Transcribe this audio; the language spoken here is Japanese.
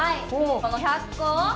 この１００個を。